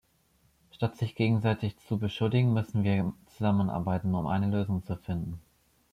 Statt sich gegenseitig zu beschuldigen, müssen wir zusammenarbeiten, um eine Lösung zu finden.